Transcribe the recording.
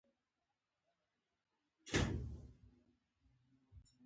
ملا متقي روسیې ته تللی